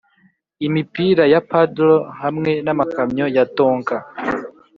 imipira ya paddle hamwe namakamyo ya tonka